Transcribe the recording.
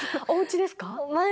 おうちですか？